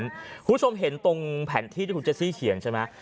คุณผู้ชมเห็นตรงแผนที่ที่คุณเจซี่เขียนใช่ไหม